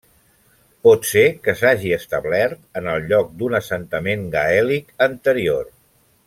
Pot ser que s'hagi establert en el lloc d'un assentament gaèlic anterior.